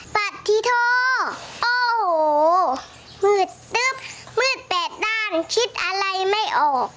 ตัดที่คอโอ้โหมืดตึ๊บมืดแปดด้านคิดอะไรไม่ออก